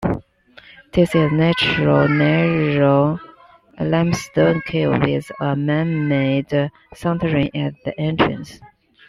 This is a natural narrow limestone cave with a man-made souterrain at the entrance.